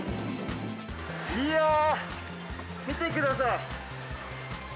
いやー、見てください。